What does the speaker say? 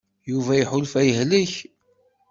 Yuba iḥulfa yehlek.